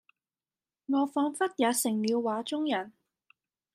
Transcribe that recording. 我彷彿也成了畫中人